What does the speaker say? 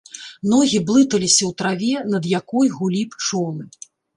Ногі блыталіся ў траве, над якой гулі пчолы.